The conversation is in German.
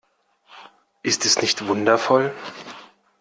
Ist es nicht wundervoll?